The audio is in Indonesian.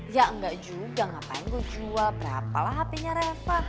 ya enggak juga ngapain gue jual berapa lah hp nya reva